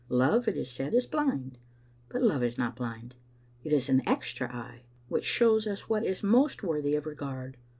Love, it is said, is blind, but love is not blind. It is an extra eye, which shows us what is most worthy of regard.